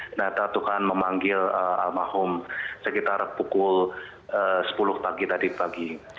ternyata tuhan memanggil almarhum sekitar pukul sepuluh pagi tadi pagi